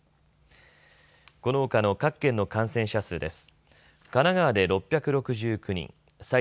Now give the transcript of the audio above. このほかの各県の感染者数です。